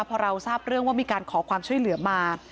พอเราทราบเรื่องว่ามีการขอความช่วยเหลือมา